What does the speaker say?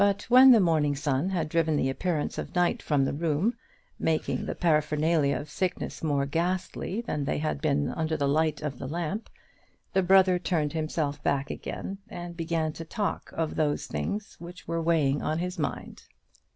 But when the morning sun had driven the appearance of night from the room, making the paraphernalia of sickness more ghastly than they had been under the light of the lamp, the brother turned himself back again, and began to talk of those things which were weighing on his mind.